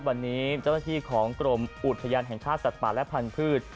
วันนี้เจ้าหน้าที่ของกรมอุทยานแห่งชาติสัตว์ป่าและพันธุ์